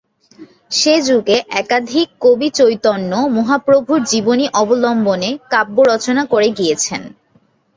সে যুগে একাধিক কবি চৈতন্য মহাপ্রভুর জীবনী অবলম্বনে কাব্য রচনা করে গিয়েছেন।